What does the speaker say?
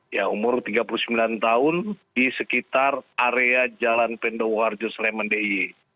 ya umur tiga puluh sembilan tahun di sekitar area jalan pendowarjo sleman d i e